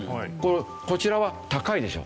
こちらは高いでしょ。